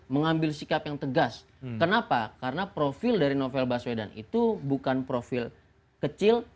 mengambil sikap yang tegas kenapa karena profil dari novel baswedan itu bukan profil kecil